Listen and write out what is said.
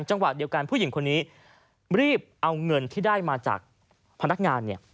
จังหวะเดียวกันผู้หญิงคนนี้รีบเอาเงินที่ได้มาจากพนักงานเนี่ย